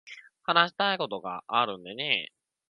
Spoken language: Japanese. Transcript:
話したいことがあるんでね。